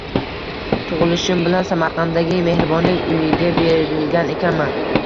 Tug‘ilishim bilan Samarqanddagi mehribonlik uyiga berilgan ekanman.